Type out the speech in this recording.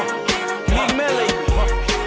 มีมิลลี่